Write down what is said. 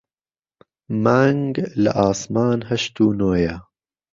مانگ لە ئاسمان هەشت و نۆیە